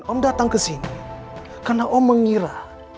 om datang kesini karena om mengira